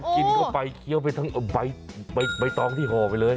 กินเข้าไปเคี้ยวไปทั้งใบตองที่ห่อไปเลย